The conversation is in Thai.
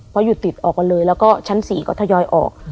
เพราะอยู่ติดออกกันเลยแล้วก็ชั้น๔ก็ทยอยออก